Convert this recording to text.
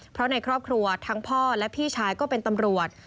เพราะในครอบครัวทั้งพ่อและพี่ชายก็เป็นตำรวจ